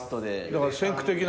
だから先駆的な。